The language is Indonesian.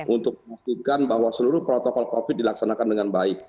untuk memastikan bahwa seluruh protokol covid dilaksanakan dengan baik